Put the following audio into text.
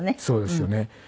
そうですよね。